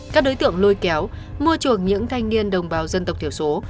các đối tượng lôi kéo mua chuồng những thanh niên đồng bào dân tộc thiểu số